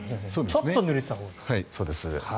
ちょっとぬれていたほうがいい。